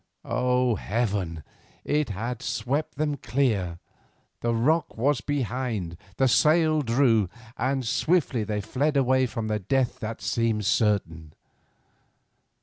Oh, heaven! it had swept them clear. The rock was behind, the sail drew, and swiftly they fled away from the death that had seemed certain.